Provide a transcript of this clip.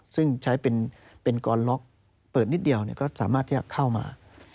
ซึ่งใช้เป็นกอนล็อกเปิดนิดเดียวก็สามารถที่จะเข้ามา